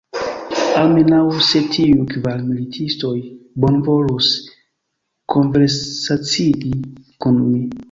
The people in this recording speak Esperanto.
Almenaŭ, se tiuj kvar militistoj bonvolus konversacii kun mi!